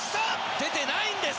出てないんです！